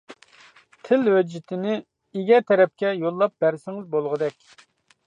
تىل ھۆججىتىنى ئىگە تەرەپكە يوللاپ بەرسىڭىز بولغۇدەك.